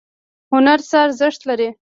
هنر څه ارزښت لري؟